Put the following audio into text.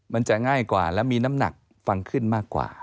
มันจะง่ายกว่าและมีน้ำหนักฟังขึ้นมากกว่า